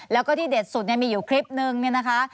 แล้วก็ที่เด็ดสุดมีอยู่คลิปนึงเนี่ยนะคะ